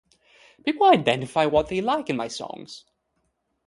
People identify what they like in my songs.